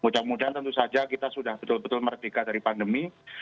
mudah mudahan tentu saja kita sudah betul betul merdeka dari pandemi